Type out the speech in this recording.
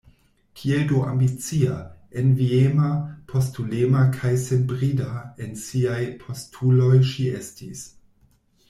Kiel do ambicia, enviema, postulema kaj senbrida en siaj postuloj ŝi estis!